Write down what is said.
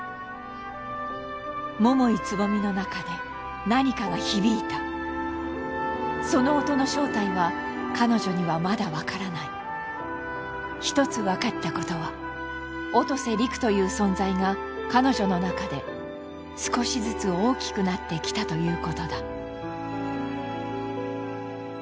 桃井蕾未の中で何かが響いたその音の正体は彼女にはまだ分からない一つ分かったことは音瀬陸という存在が彼女の中で少しずつ大きくなってきたということだ